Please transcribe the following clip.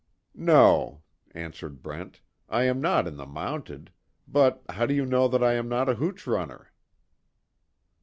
"No," answered Brent, "I am not in the Mounted, but, how do you know that I am not a hooch runner?"